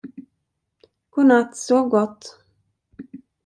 Godnatt, sov gott!